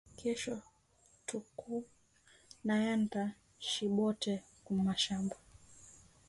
Kesho tuku nenda shibote ku mashamba